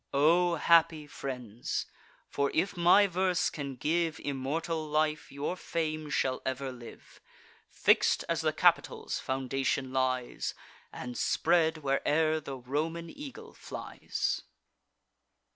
O happy friends! for, if my verse can give Immortal life, your fame shall ever live, Fix'd as the Capitol's foundation lies, And spread, where'er the Roman eagle flies!